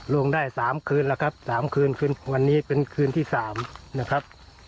ลงได้๓คืนแล้วครับ๓คืนคืนวันนี้เป็นคืนที่๓นะครับ